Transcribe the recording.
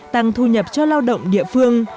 tăng thu nhập cho lao động địa phương